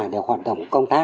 để hoạt động công tác